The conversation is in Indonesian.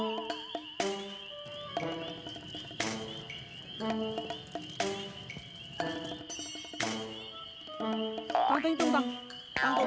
aku juga nggak tau